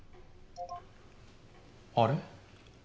あれ？